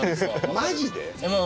マジで？